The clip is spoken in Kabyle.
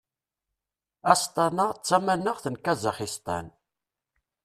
Astana d tamanaxt n Kazaxistan.